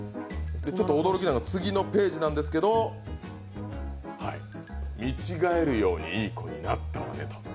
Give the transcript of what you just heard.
ちょっと驚きなんですけど、次のページなんですけど、見違えるようにいい子になったわね。